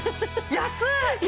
安い！